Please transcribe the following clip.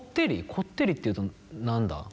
こってりっていうと何だ？